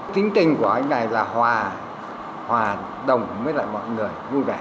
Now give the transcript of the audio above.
tính tình của anh này là hòa đồng với lại mọi người